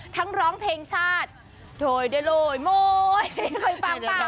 ทั้งร้องเพลงชาติโดยด้วยโลยโมยไม่เคยฟังเปล่า